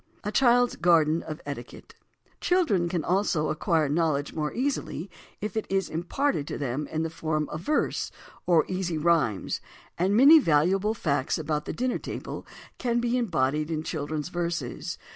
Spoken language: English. A CHILD'S GARDEN OF ETIQUETTE Children can also acquire knowledge more easily if it is imparted to them in the form of verse or easy rhymes, and many valuable facts about the dinner table can be embodied in children's verses.